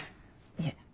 いえ。